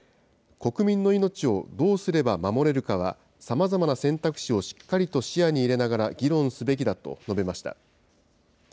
国民の命をどうすれば守れるかは、さまざまな選択肢をしっかりと視野に入れながら議論すべきだと述べました。